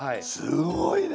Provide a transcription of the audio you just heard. すごいね！